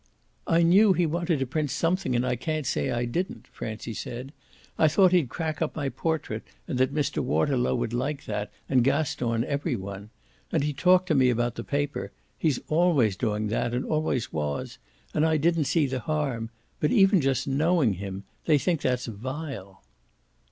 "I knew he wanted to print something and I can't say I didn't!" Francie said. "I thought he'd crack up my portrait and that Mr. Waterlow would like that, and Gaston and every one. And he talked to me about the paper he's always doing that and always was and I didn't see the harm. But even just knowing him they think that's vile."